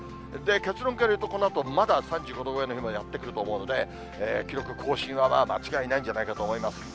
結論から言うと、このあとまだ３５度超えの日がやって来ると思うので、記録更新は間違いないと思います。